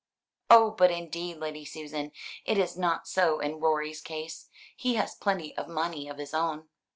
"Oh, but indeed, Lady Susan, it is not so in Rorie's case. He has plenty of money of his own."